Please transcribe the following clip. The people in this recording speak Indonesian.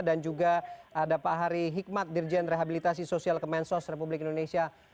dan juga ada pak hari hikmat dirjen rehabilitasi sosial kemensos republik indonesia